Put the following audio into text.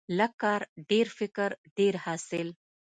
لږ کار، ډیر فکر، ډیر حاصل.